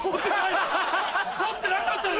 撮ってなかったの？